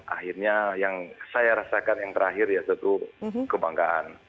akhirnya yang saya rasakan yang terakhir ya tentu kebanggaan